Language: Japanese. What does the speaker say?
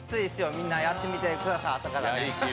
みんなやってみてください、朝からね。